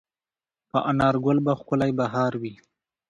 په انارګل به ښکلی بهار وي